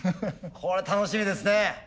これ楽しみですね。